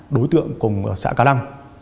đối tượng cùng xã cà lăng